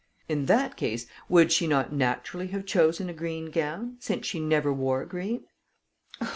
In that case, would she not naturally have chosen a green gown, since she never wore green?"